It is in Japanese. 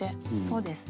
そうです。